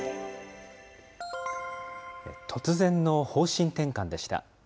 突然の方針転換でした。